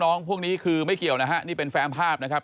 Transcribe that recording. พวกนี้คือไม่เกี่ยวนะฮะนี่เป็นแฟมภาพนะครับ